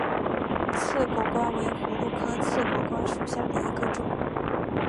刺果瓜为葫芦科刺果瓜属下的一个种。